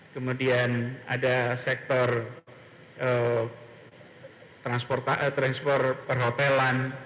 kemudian ada sektor transport perhotelan